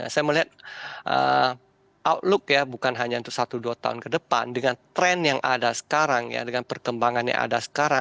saya melihat outlook ya bukan hanya untuk satu dua tahun ke depan dengan tren yang ada sekarang ya dengan perkembangan yang ada sekarang